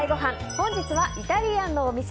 本日はイタリアンのお店